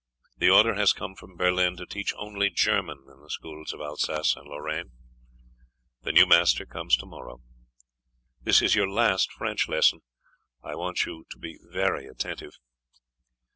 The order has come from Berlin to teach only German in the schools of Alsace and Lorraine. The new master comes tomorrow. This is your last French lesson. I want you to be very attentive."